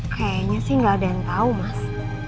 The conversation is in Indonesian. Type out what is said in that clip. kayaknya sih gak ada yang tau mas